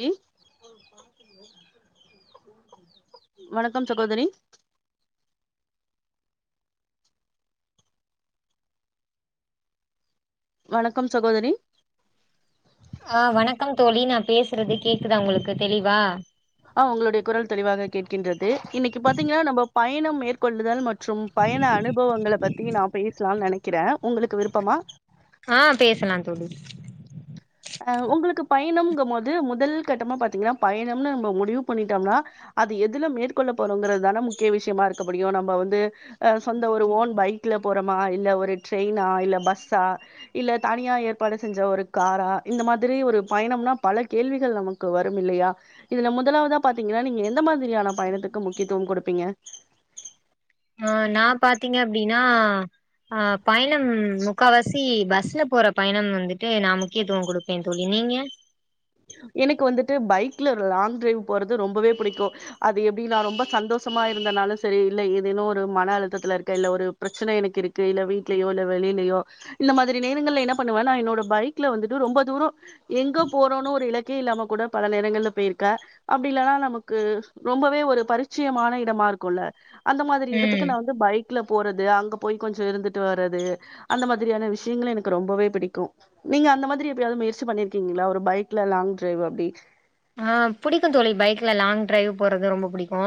ரி வணக்கம் சகோதரி வணக்கம் சகோதரி ஆ வணக்கம் தோழி நா பேசுறது கேக்குதா உங்களுக்கு தெளிவா ஆ உங்களுடைய குரல் தெளிவாக கேட்கின்றது இன்னைக்கு பாத்தீங்க நம்ம பயணம் மேற்கொள்ளுதல் ம ற்றும் பயண அனுபவங்கள பத்தி நா பேஸ்லான் நெனைக்கிற உங்குளுக்கு விருப்பமா ஆ பேசலா தோழி அ உங்ளுக்கு பயணம்ங்கமோது முதல் கட்டமா பாத்தீங்னா பயணம்னு நம்ம முடிவு பண்ணிட்டோம்னா அது எதுல மேற்கொள்ள போறோங்கிறதுதான முக்கிய விஷ்யமா இருக்க முடியு நம்ம வந்து அ சொந்த ஒரு ஓன் பைக்ல போறோமா இல்ல ஒரு டிரெய்னா இல்ல பஸ்ஸா இல்ல தனியா ஏற்பாடு செஞ்ச ஒரு காரா இந்த மாரி ஒரு பயணம்னா பல கேள்விகள் நமக்கு வரும் இல்லையா இதுல முதலாவதா பாத்தீங்கன்னா நீங்க எந்த மாரியான பயணத்துக்கு முக்கியத்துவோ குடுப்பீங்க ஆ நா பாத்தீங்க அப்டின்னா ஆ பயணம் முக்காவாசி பஸ்ல போற பயணம் வந்துட்டு நா முக்கியதுவோ குடுப்பே தோழி நீங்க எனக்கு வந்துட்டு பைக்ல ஒரு லாங் டிரைவ் போறது ரொம்பவே பிடிக்கு அது எப்டினா நா ரொம்ப சந்தோஷமா இருந்தனாலு செரி இல்ல ஏதேனோ ஒரு மன அழுத்தத்துல இருக்க இல்ல ஒரு பிரச்சன எனக்கு இருக்கு இல்ல வீட்லயோ இல்ல வெளியிலேயோ இந்த மாதிரி நேரங்கள்ல என்ன பண்ணுவே நா என்னோட பைக்ல வந்துட்டு ரொம்ப தூரோ எங்க போறோன்னு இலக்கே இல்லாமல் கூட பல நேரங்கல்ல போயிருக்க அப்டி இல்லன்னா நமக்கு ரொம்பவே ஒரு பரிச்சயமான இடமா இருக்கும்ல்ல அந்த மாரி இடத்துக்கு ம் நா வந்து பைக் ல போறது அங்க போய் கொஞ்சோ இருந்துட்டு வர்றது அந்த மாதிரியான விஷயங்கள் எனக்கு ரொம்பவே பிடிக்கு நீங்க அந்த மாதிரி எப்பயாவது முயற்சி பண்ணிருக்கீங்களா ஒரு பைக்ல லாங் டிரைவ் அப்டி ஆ புடிக்கு தோழி பைக்ல லாங் டிரைவ் போறது ரொம்ப பிடிக்கு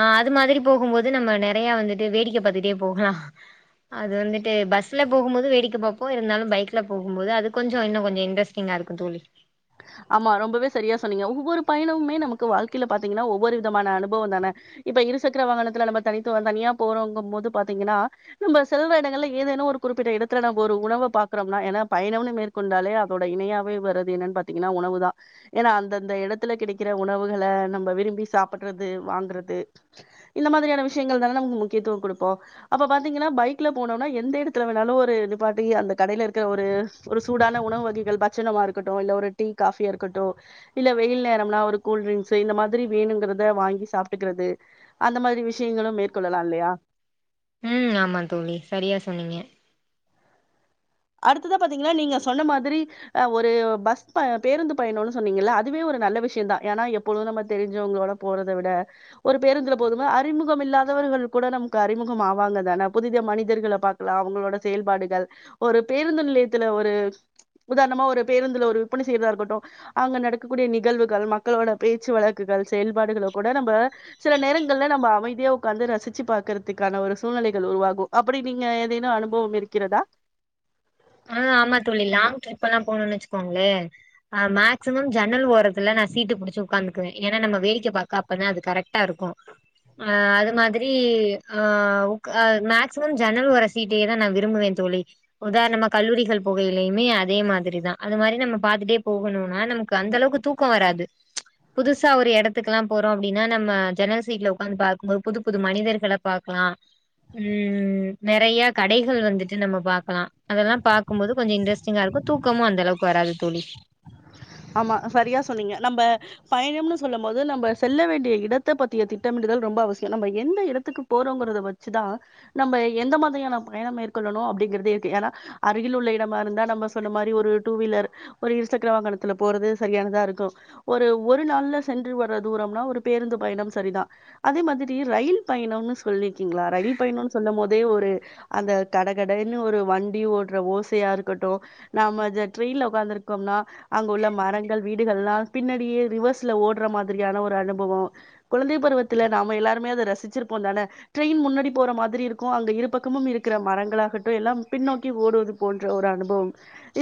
ஆ அது மாரி போகும்போது நம்ம நெறைய வந்துட்டு வேடிக்க பாத்துட்டே போகலா அது வந்துட்டு பஸ்ல போகும் போது வேடிக்க பாப்போ இருந்தாலு பைக்ல போகும் போது அது கொஞ்சோ இன்னோ கொஞ்சோ இட்ரெஸ் டிங்க இருக்கு தோழி ஆமா ரொம்பவே சரியா சொன்னீங்க ஒவ்வொரு பயணமுமே நமக்கு வாழ்கையில பாத்தீங்கன்னா ஒவ்வொரு விதமான அனுபவ தானே இப்ப இருசக்கர வாகனத்துல நம்ம தனித்துவ தனியா போறோங்கோ போது பாத்தீங்கன்னா நம்ம செல்ற இடங்கள்ல ஏதேனு ஒரு குறிப்பிட்ட இடத்துல நம்ம ஒரு உணவ பாக்றோம்னா ஏனா பயணோம்னு கொண்டாலே அதோட இணையாவே வறது என்னன்னு பாத்தீங்கன்னா உணவு தா ஏனா அந்தந்த இடத்துல கிடைக்கிற உணவுகள நம்ம விரும்பி சாப்புற்றது வாங்குறது இந்த மாதிரியான விஷயங்கள் தானே நமக்கு முக்கியத்துவோ குடுப்போ அப்ப பாத்தீங்கன்னா பைக்ல போனோம்னா எந்த இடத்துல வேணாலோ ஒரு நிப்பாட்டி அந்த கடையில இருக்கிற ஒரு ஒரு சூடான உணவு வகைகள் பட்சணமா இருக்கட்டு இல்ல ஒரு டீ காஃபியா இருக்கட்டு இல்ல வெயில் நேரம்னா ஒரு கூல்ட்ரிங்க்ஸு இந்த மாதிரி வேணுங்கிறத வாங்கி சாப்டுக்கிறது அந்த மாதிரி விஷயங்களு மேற்கொள்ளலா இல்லையா ம் ஆமா தோழி சரியா சொன்னீங்க அடுத்ததா பாத்தீங்கன்னா நீங்க சொன்ன மாதிரி ஒரு பஸ் பய பேருந்து பயணம்னு சொன்னீங்கல்ல அதுவே ஒரு நல்ல விஷயோ தா ஏன்னா எப்பொழுதோ நம்ம தெரிஞ்சவங்களோட போறத விட ஒரு பேருந்துல போதும அறிமுகம் இல்லாதவர்கள் கூட நமக்கு அறிமுகம் ஆவாங்க தானே புதிய மனிதர்களை பாக்க அவங்களோட செயல்பாடுகள் ஒரு பேருந்து நிலையத்துல ஒரு உதாரணமா ஒரு பேருந்துல ஒரு ஒப்பனை செய்றதா இருக்கட்டு அங்க நடக்கக்கூடிய நிகழ்வுகள் மக்களோட பேச்சு வழக்குகள் செயல்பாடுகள கூட நம்ப சில நேரங்கள்ல நம்ம அமைதிய உட்காந்து ரசிச்சு பாக்குறதுக்கான ஒரு சூழ்நிலைகள் உருவாகு அப்டி நீங்க ஏதேனு அனுபவம் இருக்கிறதா ஆ ஆமா தோழி லாங் ட்ரிப்ல்லா போணோம்னு வச்சுக்கோங்களே ஆ மேக்சிமம் ஜன்னல் ஓரத்துல நா சீட்டு புடிச்சு உக்காந்துக்குவே ஏனா நம்ம வேடிக்க பாக்க அப்பத அது கரெக்ட்டா இருக்கு ஆ அது மாதிரி ஆ உக்க ஆ மேக்சிமம் ஜன்னல் ஓர சீட்டே தா நா விரும்புவே தோழி உதாரணமா கல்லூரிகள் போகையிலயுமே அதே மாதிரி தா அது மாரி நம்ம பாத்துட்டே போகணுனா நமக்கு அந்த அளவுக்கு தூக் க்க வராது புதுசா ஒரு எடத்துக்குலா போறோ அப்டின்னா நம்ம ஜன்னல் சீட்ல உக்காந்து பாக்கும்போது புது புது மனிதர்கள பாக்கலா ம் நெறய கடைகள் வந்துட்டு நம்ம பாக்கலா அதெல்லா பாக்கும்போது கொஞ்ச இன்ட்ரஸ்டிங்கா இருக்கும் தூக்கமு அந்தளவுக்கு வராது தோழி ஆமா சரியா சொன்னீங்க நம்ப பயணம்னு சொல்லும் போது நம்ம செல்ல வேண்டிய இடத்தை பத்திய திட்டமிட்டுதல் ரொம்ப அவசியம் நம்ம எந்த இடத்துக்கு போறோங்கறத வச் சுதா நம்ம எந்த மாதிரியான பயணம் மேற்கொள்ளணும் அப்டிங்கறதே இருக்கு ஏனா அருகில் உள்ள இடமா இருந்தா நம்ம சொன்ன மாரி ஒரு டூ வீலர் ஒரு இருசக்கர வாகன த்துல போறது சரியானதா இருக்கு ஒரு ஒரு நாள்ல சென்று வர்ற தூரம்னா ஒரு பேருந்து பயணம் சரிதா அதே மாதிரி ரயில் பயணம்னு சொல்லிருக்கீங்களா ரயில் பயணம்னு சொல்லும் போதே ஒரு அந்த கடகடைன்னு ஒரு வண்டி ஓடுற ஓசையா இருக்கட்டும் நாம இந்த ட்ரெயின்ல உக்காந்துருக்கோம்னா அங்க உள்ள மரங்கள் வீடுகள்ளா பின்னாடியே ரிவர்ஸ்ல ஓடுற மாதிரியான ஒரு அனுபவோ குழந்தை பருவத்துல நாம எல்லாருமே அத ரசிச்சிருப்போந்தானே ட்ரெயின் முன்னாடி போற மாதிரி இருக்கும் அங்க இரு பக்கமும் இருக்கிற மரங்களாகட்டு எல்லாம் பின்னோக்கி ஓடுவது போன்ற ஒரு அனுபவம்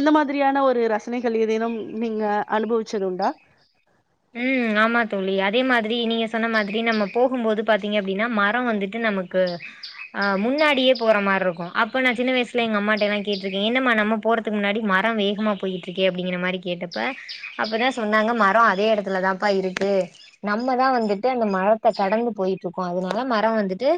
இந்த மாதிரியான ஒரு ரசனைகள் ஏதேனும் நீங்க அனுபவிச்சதுண்டா ம் ஆமா தோழி அதே மாதிரி நீங்க சொன்ன மாதிரி நம்ம போகும்போது பாத்தீங்க அப்டின்னா மரோ வந்துட்டு நமக் கு அ முன்னாடியே போற மாரி இருக்கு அப்ப நா சின்ன வயசுல எங்க அம்மாட்டல்லா கேட்டிருக்கே என்னமா நம்ம போறத்துக்கு முன்னாடி மரம் வேகமா போயிட்டு இருக்கே அப்டிங்கிற மாரி கேட்டப்ப அப்பதா சொன்னாங்க மரம் அதே இடத்துல இதுல தான்ப்பா இருக்கு நம்மதா வந்துட்டு அந்த மரத்த கடந்து போயிட்டு இருக்கோ அதனால மரம் வந்துட்டு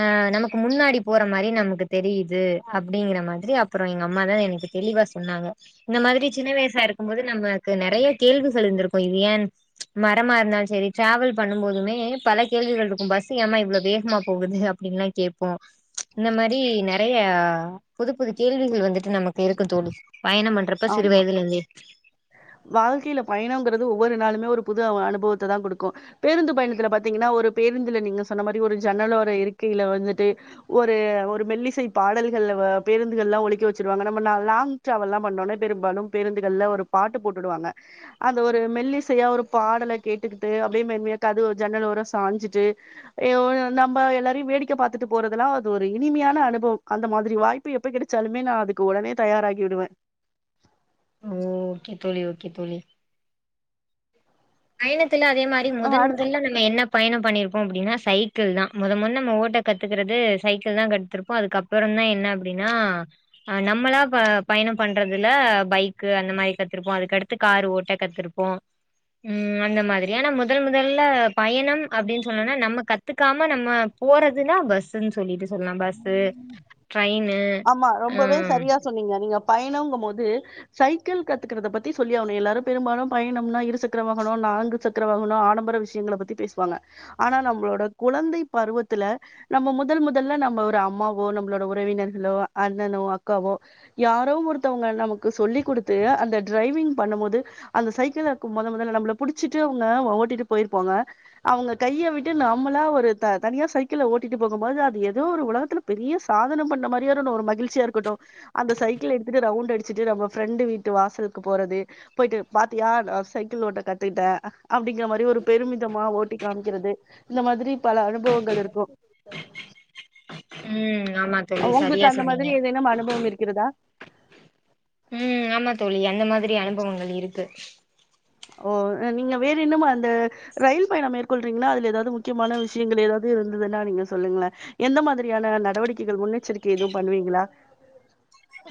ஆ நமக்கு முன்னாடி போற மாரி நமக்கு தெரியுது அப்டிங்கற மாதிரி அப்றோ எங்க அம்மா தா எனக்கு தெளிவா சொன்னாங்க இந்த மாரி சின்ன வயசா இருக்கும் போது நம்மக்கு நெறைய கேள்விகள் இருந்திருக்கும் இது ஏன் மரமா இருந்தாலு செரி டிராவல் பண்ணும் போதுமே பல கேள்விகள் இருக்கும் பஸ் ஏமா இவ்வளவு வேகமா போகுது அப்டின்ல்லா கேட் போ இந்த மாரி நெறைய புது புது கேள்விகள் வந்துட்டு நமக்கு இருக்கு தோழி பயணம் பண்றப்ப ஆமா சிறுவயதிலருந்தே வாழ்க்கையில பயணங்கிறது ஒவ்வொரு நாளுமே ஒரு புது அனுபவத்த தா குடுக்கு பேருந்து பயணத்துல பாத்தீங்கன்னா ஒரு பேருந்துல நீங்க சொன்ன மாரி ஒரு ஜன்னலோர இருக்கையில வந்துட்டு ஒரு ஒரு மெல்லிசை பாடல்கள் பேருந்துகள் எல்லா ஒலிக்க வெச்சிருவாங்க நம்ம நல் லாங் டிராவல்லா பண்ணோன பெரும்பாலு பேருந்துகள்ல ஒரு பாட்டு போட்டு உடுவாங்க அந்த ஒரு மெல்லிசையா ஒரு பாடல கேட்டுக்கிட்டு அப்டியே மென்மையா கதவு ஜன்னலோர சாஞ்சிட்டு ஐயோ நம்ம எல்லாரையு வேடிக்கை பாத்துட்டு போறதெல்லா அது ஒரு இனிமையான அனுபவம் அந்த மாதிரி வாய்ப் ப்பு எப்ப கெடைச்சாலுமே நா அதுக்கு உடனே தயாராகி விடுவே ஓ ஓகே தோழி ஓகே தோழி பயணத்துல அதே மாரி அடுத் முதன் முதல்ல நம்ம என்ன பயணம் பண்ணியிருப்போம அப்டினா சைக்கிள் தா மொதமொத நம்ம ஓட்ட கத்துக்கிறது சைக்கிள் தா கத்திருப்போ அதுக்கப் ப்புறந்தா என்ன அப்டின்னா அ நம்மளா ப பயணம் பண்றதுல பைக்கு அந்த மாரி கத்திருப்போ அதுக்கடுத்து காரு ஓட்ட கத்திருப்போ ம் அந்த மாதிரி ஏன்னா மொதல் மொதல்ல பயணம் அப்டின்னு சொல்லணும்னா நம்ம கத்துக்காம நம்ம போறதுன்னா பஸ்ன்னு சொல்லிட்டு சொல்லலாம் பஸ்ஸு ட்ரெயினு ஆமா அ ரொம்பவே சரியா சொன்னீங்க நீங்க பயணங்கும் போது சைக்கிள் கத்துகறத பத்தி சொல்லி ஆவுனும எல்லாரும் பெரும்பாலும் பயணம்னா இரு சக்கர வாகனோ நான்கு சக் [unintelligible] ஆடம்பர விஷயங்கள பத்தி பேசுவாங்க ஆனா நம்மளோட குழந்தை பருவத்துல நம்ம முதல் முதல்ல நம்ம ஒரு அம்மாவோ நம்ளோட உறவினர்களோ அண்ணனோ அக்காவோ யாரோ ஒருத்தவங்க நமக்கு சொல்லி் குடுத்து அந்த டிரரைவிங் பண்ணும் போது அந்த சைக்கிள் [unintelligible] மொத முதல்ல நம்மள புடிச்சிட்டு அவுங்க ஓட்டிட்டு போய்ருப்போங்க அவுங்க கையை விட்டு நம்மளா ஒரு தனியா சைக்கில ஓட்டிட்டு போகும் போது அது ஏதோ ஒரு ஒலகத்துல பெரிய சாதனம் பண்ண மாரியே ஒ ஒரு மகிழ்ச்சியா இருக்கட்டு அந்த சைக்கிள் எடுத்துட்டு ரவுண்ட் அடிச்சுட்டு நம்ம ஃப்ரெண்டு வீட்டு வாசலுக்கு போறது பொய்ட்டு பாத்தியா நா சைக்கிள் ஓட்ட கத்துகிட்டே அப்டிங்கிற மாரி ஒரு பெருமிதமா ஓட்டி காமிக்கிறது இந்த மாரி பல அனுபவங்கள் இருக்கு ம் ஆமங் உங்களுக்கு அந்த மாரி ஏதேனும் அனுபவம் இருக்கிறதா ம் ஆமா தோழி அந்த மாரி அனுபவங்கள் இருக்கு ஓ நீங்க வேற என்னும் அந்த ரயில் பயணம் மேற்கொல்றீங்ககளா அதுல ஏதாவது முக்கியமான விஷயங்கள் ஏதாவது இருந்ததுன்னா நீங்க சொல்லுங்களே எந்த மாதிரியான நடவடிக்கைகள் முன்னெச்சரிக்கை எதுவு பண்ணுவீங்களா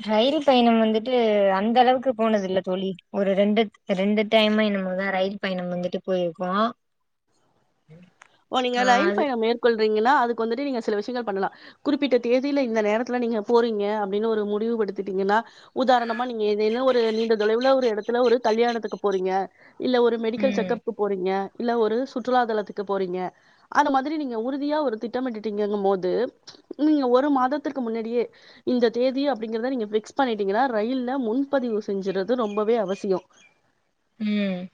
ரயில் பயணம் வந்துட்டு அந்த அளவுக்கு போனது இல்ல தோழி ஒரு ரெண்டுத் ரெண்டு டைமோ என்னமோ தா ரயில் பயணம் வந்துட்டு போயிருக்கோ ஓ நீங்க ஆ ரயில் அது பயணம் மேற்கொள்றீங்கனா அதுக்கு வந்துட்டு நீங்க சில விஷயங்கள் பண்லா குறிப்பிட்ட தேதியில இந்த நேரத்துல நீங்க போறீங்க அப்டினு ஒரு முடிவுபடுத்தீட்டீங்கனா உதாரணமா நீங்க ஏதேனு ஒரு நீண்ட தொலைவுல ஒரு எடத்துல ஒரு கல்யாணத்துக்கு போறீங்க இல்ல ஒரு மெடிக்கல் ம் செக்கஅப்கு போறீங்க இல்ல ஒரு சுற்றுலா தலத்துக்கு போறீங்க அந்த மாரி நீங்க உறுதியா ஒரு திட்டமிட்டங்ககும்போது நீங்க ஒரு மாதத்திற்க்கு முன்னாடியே இந்த தேதி அப்டிங்கறத நீங்க பிக்ஸ் பண்ணிட்டீங்கன்னா ரயில்ல முன்பதிவு செஞ்சறது ரொம்பவே அவசியோ [inaudible] ம்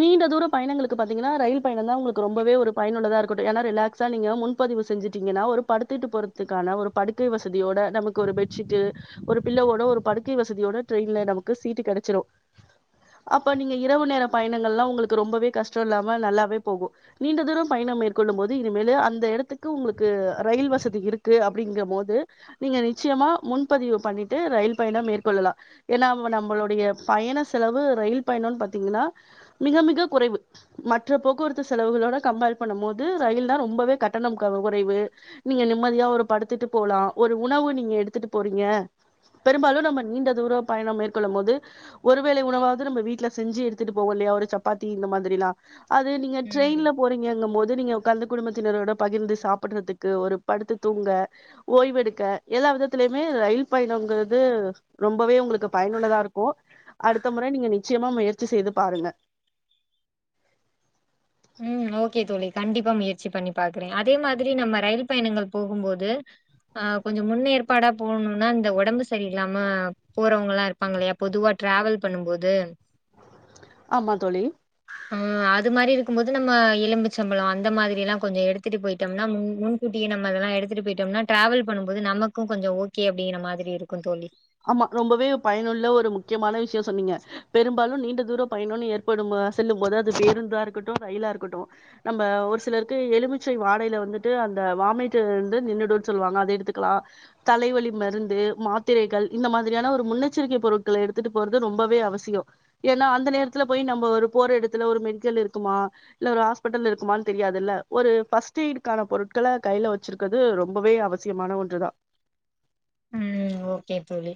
நீண்ட தூர பயணங்களுக்கு பாத்தீங்கன்னா ரயில் பயண தா உங்களுக்கு ரொம்பவே ஒரு பயனுள்ளதா இருக்கட்டு ஏனா ரிலாக்ஸா நீங்க முன்பதிவு செஞ்சுட்டீங்கனா ஒரு படுத்துட்டு போறது இதுக்கான ஒரு படுக்கை வசதியோட நமக்கு ஒரு பெட்ஷீட்டு ஒரு பிள்ளோவோட ஒரு படுக்கை வசதியோட ட்ரெயின்ல நமக்கு சீட்டு கெடச்சிடு அப்ப நீங்க இரவு நேர பயணங்கள்ல்லா உங்களுக்கு ரொம்பவே கஷ்டோ இல்லாம நல்லாவே போகு நீண்ட தூரம் பயணம் மேற்கொள்ளும் போது இனிமேலு அந்த எடத்துக்கு உங்களுக்கு ரயில் வசதி இருக்கு அப்டிங்கற போது நீங்க நிச்சயமா முன்பதிவு பண்ணிட்டு ரயில் பயணம் மேற்கொள்ளலா ஏன்னா நம்மளுடைய பயண செலவு ரயில் பயணோ பாத்தீங்கன்னா மிக மிக குறைவு மற்ற போக்குவரத்து மத்த செலவுகளோட கம்பேர் பண்ணும் போது ரயில் தா ரொம்பவே கட்டணம் க குறைவு நீங்க நிம்மதியா ஒரு படுத்துட்டு போலா ஒரு உணவு நீங்க எடுத்துட்டு போறீங்க பெரும்பாலு நம்ம நீண்ட தூர பயணம் மேற்கொள்ளும் போது ஒருவேளை உணவாவது நம்ம வீட்டுல செஞ்சு எடுத்துட்டு போவோ இல்லயா ஒரு சப்பாத்தி இந்த மாதிரில்லா அது நீங்க ம் ட்ரெயின்ல போறீங்கங்கும் போது நீங்க உக்காந்து குடும்பத்தினரோட பகிர்ந்து சாப்டுறதுக்கு ஒரு படுத்து தூங்க ஓய்வு எடுக்க எல்லா விதத்துலயுமே ரயில் பயணங்கிறது ரொம்பவே உங்களுக்கு பயனுள்ளதா இருக்கு அடுத்த மொறை நீங்க நிச்சயமா முயற்சி செய்து பாருங்க ம் ஓகே தோழி கண்டிப்பா முயற்சி பண்ணி பாக்குறே அதே மாதிரி நம்ம ரயில் பயணங்கள் போகும்போது ஆ கொஞ்ச முன்னேற்பாடா போணும்னா இந்த ஒடம்பு சரியில்லாம போறவங்களா இரு இருப்பாங்க இல்லயா பொதுவா டிராவல் பண்ணும் போது ஆமா தோழி ஆ அது மாரி இருக் க்கும்போது நம்ம எலுமிச்சபழொ அந்த மாதிரி எல்லா கொஞ்ச எடுத்துட்டு போய்டோம்னா முன்கூட்டியே நம்ம அதெல்லா எடுத்துட்டு போய்டோம்னா ட்ராவல் பண்ணும்போது நமக்கூ கொஞ்ச ஓகே அப்டிங்கிற மாதிரி இருக்கூ தோழி ஆமா ரொம்பவே பயனுள்ள ஒரு முக்கியமான விஷயொ சொன்னீங்க பெரும்பாலு நீண்ட தூரோ பயணோனு ஏற்படும் போ செல்லும் போது அது பேருந்தா இருக்கட்டூ ரயிலா இருக்கட்டூ நம்ப ஒரு சிலருக்கு எலுமிச்சை வாடையில வந்துட்டு அந்த வாமிட்டு வந்து நின்னுடுன் சொல்வாங்க அத எடுத்துக்கலா தலைவலி மருந்து மாத்திரைகள் இந்த மாதிரியான ஒரு முன்னெச்சரிக்கை பொருட்களை எடுத்துட்டு போறது ரொம்பவே அவசியோ ஏன்னா அந்த நேரத்துல போய் நம்ப ஒரு போற எடத்துல ஒரு மெடிக்கல் இருக்குமா இல்ல ஒரு ஆஸ்பிட்டல் இருக்குமான் தெரியாதுல்ல ஒரு ஃபர்ஸ்ட் எய்டுக்கான பொருட்கள கையில வச்சிருக் க்கது ரொம்பவே அவசியமான ஒன்று தா ம் ஓகே தோழி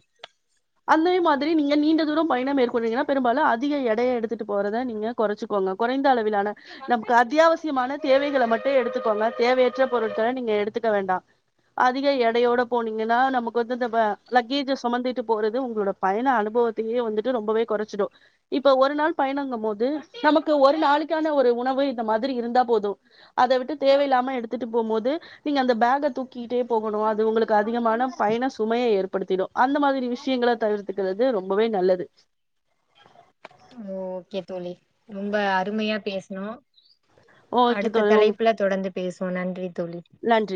அந்தே மாதிரி நீங்க நீண்ட தூரோ பயணோ மேற்கொள்றீங்கன்னா பெரும்பாலு அதிக எடையை எடுத்துட்டு போறத நீங்க கொறச்சுக்கோங்க கொறைந்த அளவிலான நமக்கு அத்தியாவசியமான தேவைகள மட்டோ எடுத்துக்கோங்க தேவையற்ற பொருட்கள நீங்க எடுத்துக்க வேண்டா அதிக எடையோட போனீங்கன்னா நமக்கு வந்து இந்த ப லக்கேஜ சொமந்து ட்டு போறது உங்களோட பயண அனுபவத்தையே வந்துட்டு ரொம்பவே கொறச்சிடு இப்போ ஒரு நாள் பயணங்கம் போது நமக்கு ஒரு நாளுக்கான ஒரு உணவு இந்த மாதிரி இருந்தா போது அத விட்டு தேவையில்லாம எடுத்துட்டு போம்போது நீங்க அந்த பேக தூக்கிட்டே போகணு அது உங்களுக்கு அதிகமான பயண சுமைய ஏற்படுத்திடு அந்த மாதிரி தி விஷயங்கள தவிர்த்துக்கிறது ரொம்பவே நல்லது ஓ ஓகே தோழி ரொம்ப அருமையா பேசுனோ ஓகே அடுத்த தோழி தலைப்புல தொடர்ந்து பேசுவோ நன்றி தோழி நன்றி